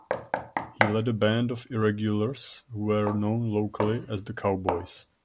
He led a band of irregulars who were known locally as the 'cowboys'.